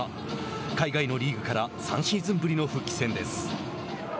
海外のリーグから３シーズンぶりの復帰戦です。